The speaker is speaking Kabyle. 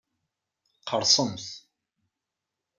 Qerrsemt!